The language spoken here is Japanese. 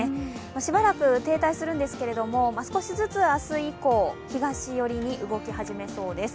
しばらく、停滞するんですけど少しずつ、明日以降東寄りに動き始めそうです。